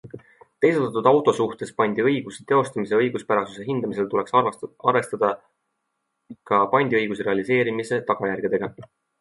Teisaldatud auto suhtes pandiõiguse teostamise õiguspärasuse hindamisel tuleks arvestada ka pandiõiguse realiseerimise tagajärgedega.